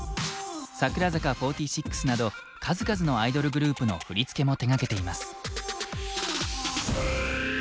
櫻坂４６など数々のアイドルグループの振り付けも手がけています。